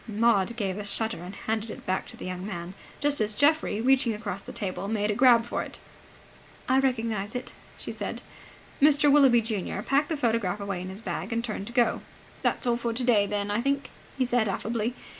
Maud gave a shudder and handed it back to the young man, just as Geoffrey, reaching across the table, made a grab for it. "I recognize it," she said. Mr. Willoughby junior packed the photograph away in his bag, and turned to go. "That's all for today, then, I think," he said, affably.